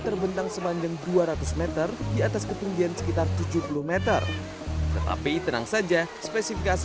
terbentang sepanjang dua ratus m di atas ketinggian sekitar tujuh puluh m tetapi tenang saja spesifikasi